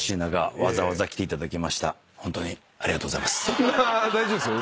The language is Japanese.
そんな大丈夫ですよ。